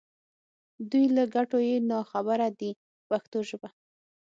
دوی له ګټو یې نا خبره دي په پښتو ژبه.